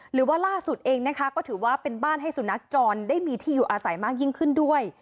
หรือว่าล่าสุดเองนะคะก็ถือว่าเป็นบ้านให้สุนัขจรได้มีที่อยู่อาศัยมากยิ่งขึ้นด้วย